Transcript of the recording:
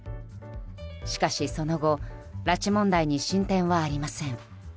しかしその後、拉致問題に進展はありません。